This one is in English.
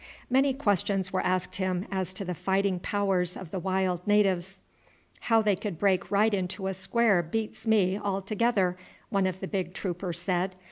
Many questions were asked him as to the fighting powers of the wild natives. "How they could break right into a square beats me altogether," one of the big troopers said.